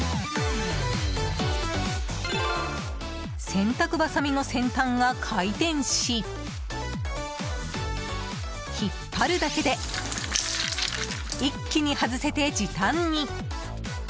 洗濯ばさみの先端が回転し引っ張るだけで一気に外せて時短に。